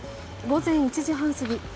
午前１時半過ぎ